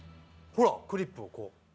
ほらクリップをこう。